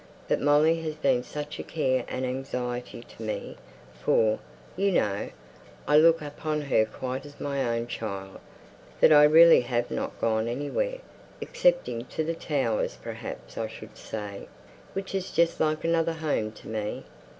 But Molly has been such a care and anxiety to me for, you know, I look upon her quite as my own child that I really have not gone anywhere; excepting to the Towers, perhaps I should say, which is just like another home to me.